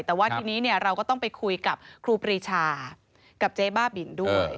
แต่ว่าทีนี้เราก็ต้องไปคุยกับครูปรีชากับเจ๊บ้าบินด้วย